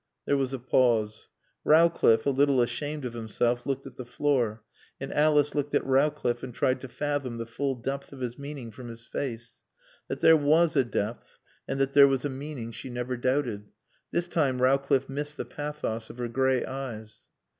There was a pause. Rowcliffe, a little ashamed of himself, looked at the floor, and Alice looked at Rowcliffe and tried to fathom the full depth of his meaning from his face. That there was a depth and that there was a meaning she never doubted. This time Rowcliffe missed the pathos of her gray eyes.